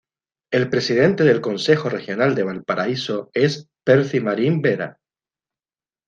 El Presidente del Consejo Regional de Valparaíso es Percy Marín Vera.